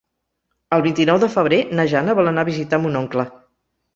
El vint-i-nou de febrer na Jana vol anar a visitar mon oncle.